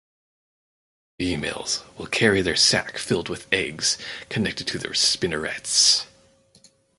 Females will carry their sac filled with eggs connected to their spinnerets.